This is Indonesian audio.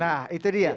nah itu dia